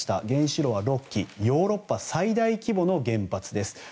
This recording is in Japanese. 原子炉は６基ヨーロッパ最大規模の原発です。